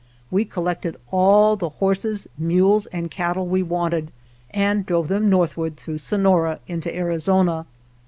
We collected all the horses, mules, and cattle we wanted, and drove them northward through Sonora into Arizona.